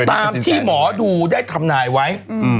ตามที่หมอดูได้ทำนายไว้